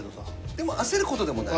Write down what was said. でも焦ることでもない？